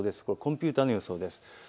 これはコンピューターの予想です。